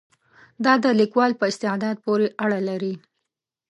دا د لیکوال په استعداد پورې اړه لري.